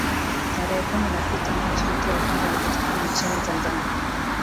Tarehe kumi na sita Machi mtu wa kwanza alipatikana nchini Tanzania